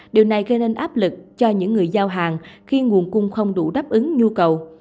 điều này gây nên áp lực cho những người giao hàng khi nguồn cung không đủ đáp ứng nhu cầu